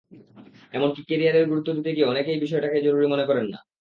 এমনকি ক্যারিয়ারে গুরুত্ব দিতে গিয়ে অনেকেই বিয়েটাকে জরুরি মনে করেন না।